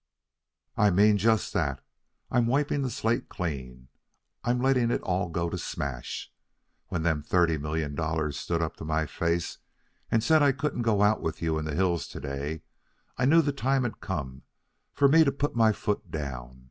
"I mean just that. I'm wiping the slate clean. I'm letting it all go to smash. When them thirty million dollars stood up to my face and said I couldn't go out with you in the hills to day, I knew the time had come for me to put my foot down.